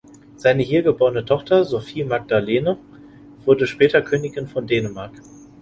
Seine hier geborene Tochter Sophie Magdalene wurde später Königin von Dänemark.